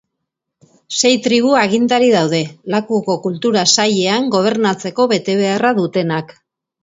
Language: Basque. Sei tribu agintari daude, lakuko kultura sailean gobernatzeko betebeharra dutenak.